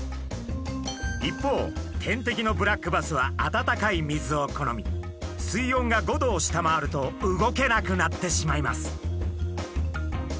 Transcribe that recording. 一方天敵のブラックバスは温かい水を好み水温が５℃を下回ると動けなくなってしまいます。